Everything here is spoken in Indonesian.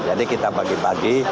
jadi kita bagi bagi